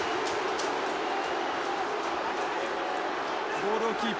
ボールをキープ。